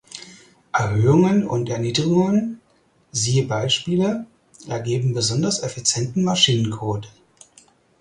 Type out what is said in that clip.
Erhöhungen und Erniedrigungen (siehe Beispiele) ergeben besonders effizienten Maschinencode.